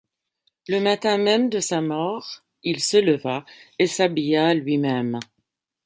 Le matin même de sa mort, il se leva et s'habilla lui-même.